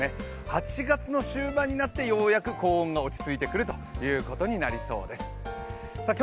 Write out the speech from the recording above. ８月の終盤になって、ようやく高温が落ち着いてくることになりそうです。